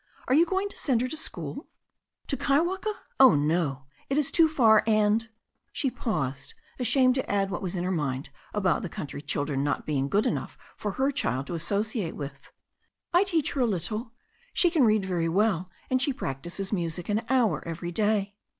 Are you going to send her to school?" "To Kaiwaka? Oh, no. It is too far, and" — she paused, ashamed to add what was in her mind about the cotmtry children not being good enough for her child to associate with — ^"I teach her a little. She can read very well, and she practises music an hour every day."